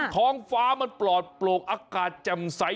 ท้องฟ้ามันปลอดโปรกอากาศแจ่มใส